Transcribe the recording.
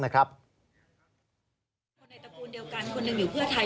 คนในตระกูลเดียวกันคนหนึ่งอยู่เพื่อไทย